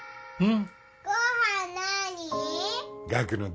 うん？